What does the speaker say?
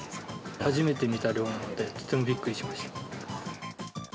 初めて見た量なので、とてもびっくりしました。